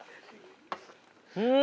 うん！